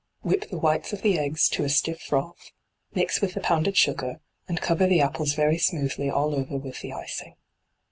Whip the whites of the eggs to a stiff froth, mix with the pounded sugar, and cover the apples very smoothly all over with the icing.